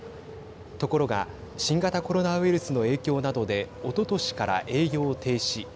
ところが新型コロナウイルスの影響などでおととしから営業を停止。